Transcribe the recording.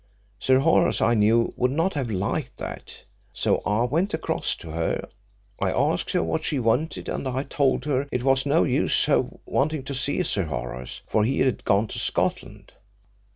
Sir Horace, I knew, would not have liked that. So I went across to her. I asked her what she wanted, and I told her it was no use her wanting to see Sir Horace, for he had gone to Scotland.